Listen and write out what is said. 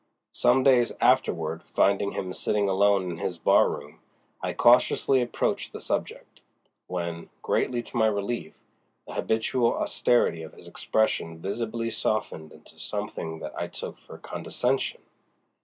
Some days afterward, finding him sitting alone in his barroom, I cautiously approached the subject, when, greatly to my relief, the habitual austerity of his expression visibly softened into something that I took for condescension.